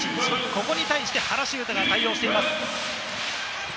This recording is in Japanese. ここに対して原修太がついています。